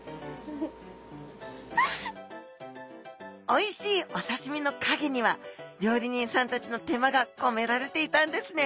おいしいおさしみのかげには料理人さんたちの手間がこめられていたんですね！